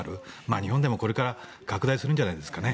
日本でもこれから拡大するんじゃないですかね。